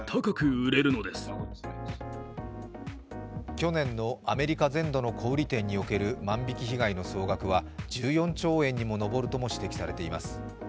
去年のアメリカ全土の小売店における万引き被害の総額は１４兆円にも上るとも指摘されています。